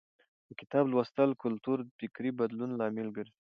د کتاب لوستلو کلتور د فکري بدلون لامل ګرځي.